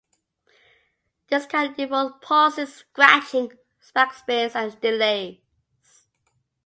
This can involve pauses, scratching, backspins and delays.